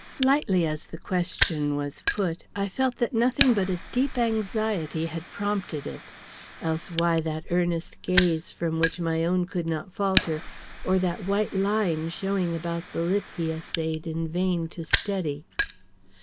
Lightly as the question was put, I felt that nothing but a deep anxiety had prompted it, else why that earnest gaze from which my own could not falter, or that white line showing about the lip he essayed in vain to steady?